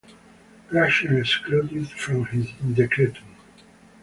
Gratian excluded it from his "Decretum".